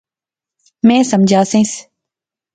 میں سمجھاسیس